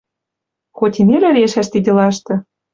Хоть и нелӹ решӓш ти делашты